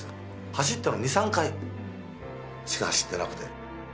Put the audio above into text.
走ったの２３回しか走ってなくて。